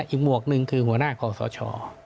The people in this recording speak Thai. หมวกหนึ่งคือหัวหน้าคอสช